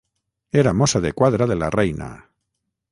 Era mossa de quadra de la reina.